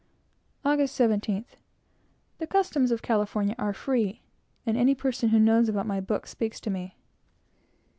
August 17th. The customs of California are free; and any person who knows about my book speaks to me.